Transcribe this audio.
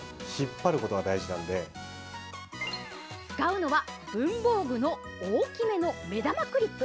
使うのは文房具の大きめの目玉クリップ。